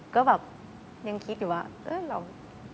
ก็แบบยังคิดอยู่ว่าเออเรา